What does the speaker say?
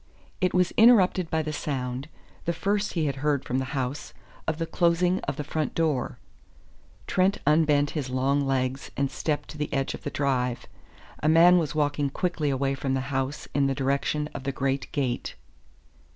It was interrupted by the sound the first he had heard from the house of the closing of the front door. Trent unbent his long legs and stepped to the edge of the drive. A man was walking quickly away from the house in the direction of the great gate.